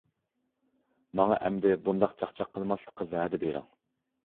-ماڭا ئەمدى بۇنداق چاقچاق قىلماسلىققا ۋەدە بېرىڭ!